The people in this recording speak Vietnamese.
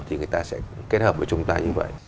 thì người ta sẽ kết hợp với chúng ta như vậy